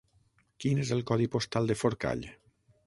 Quin és el codi postal de Forcall?